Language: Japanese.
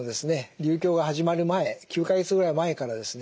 流行が始まる前９か月ぐらい前からですね